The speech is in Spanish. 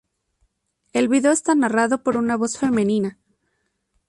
El vídeo está narrado por una voz femenina.